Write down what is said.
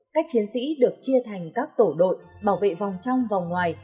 các chiến sĩ được chia thành các tổ đội bảo vệ vòng trong vòng ngoài